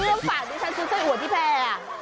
เริ่มฝากดิฉันซุดไส้อั๋วที่แพร่